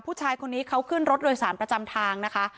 ผู้ชายคนนี้เขาขึ้นรถโดยสารประจำทางนะคะ